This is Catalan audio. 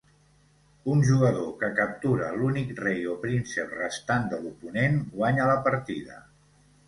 Un jugador que captura l'únic rei o príncep restant de l'oponent guanya la partida.